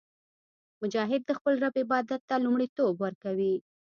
مجاهد د خپل رب عبادت ته لومړیتوب ورکوي.